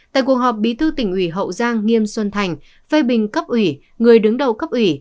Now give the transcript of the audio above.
tại cuộc họp bí thư tỉnh ủy hậu giang nghiêm xuân thành phê bình cấp ủy người đứng đầu cấp ủy